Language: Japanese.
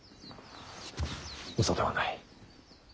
嘘ではない。